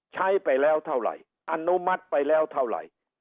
ใช้ไปแล้วเท่าไหร่อนุมัติไปแล้วเท่าไหร่